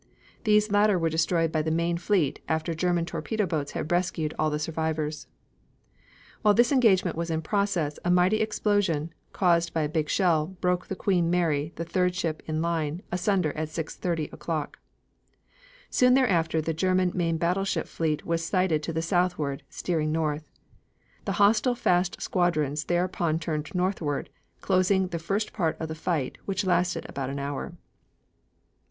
These later were destroyed by the main fleet after German torpedo boats had rescued all the survivors. While this engagement was in progress, a mighty explosion, caused by a big shell, broke the Queen Mary, the third ship in line, asunder, at 6.30 o'clock. Soon thereafter the German main battleship fleet was sighted to the southward, steering north. The hostile fast squadrons thereupon turned northward, closing the first part of the fight, which lasted about an hour.